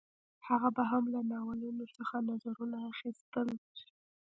هغه به هم له ناولونو څخه نظرونه اخیستل